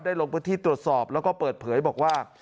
ลงพื้นที่ตรวจสอบแล้วก็เปิดเผยบอกว่า